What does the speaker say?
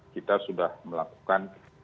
kita sudah melakukan